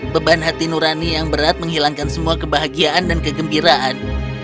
beban hati nurani yang berat menghilangkan semua kebahagiaan dan kegembiraan